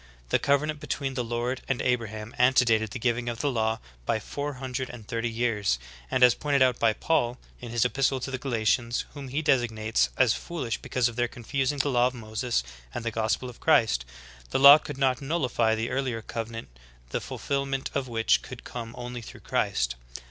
The cove nant between the Lord and Abraham antedated the giv ing of the law by four hundred and thirty years, and as pointed out by Paul'' in his epistle to the Galatians, whom he designates as fooHsh because of their confusing the law of Moses and the gospel of Christ, the law could not nullify the earlier covenant the fulfilment of which could come only through Christ.